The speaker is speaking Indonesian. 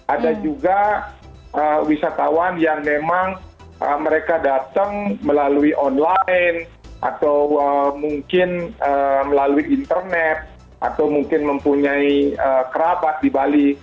ada juga wisatawan yang memang mereka datang melalui online atau mungkin melalui internet atau mungkin mempunyai kerabat di bali